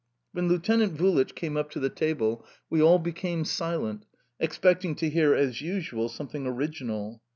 When Lieutenant Vulich came up to the table, we all became silent, expecting to hear, as usual, something original.